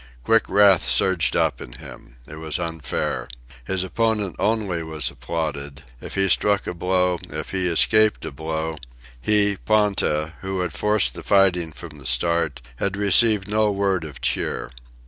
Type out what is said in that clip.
Quick wrath surged up in him. It was unfair. His opponent only was applauded if he struck a blow, if he escaped a blow; he, Ponta, who had forced the fighting from the start, had received no word of cheer.